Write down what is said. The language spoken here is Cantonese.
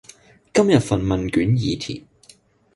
今日份問卷已填